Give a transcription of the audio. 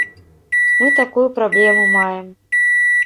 Мы такую праблему маем.